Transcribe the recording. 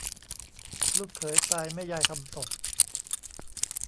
ลูกเขยตายแม่ยายทำศพ